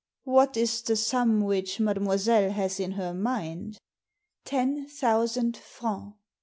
What is the sum which mademoiselle has in her mind?" '* Ten thousand francs."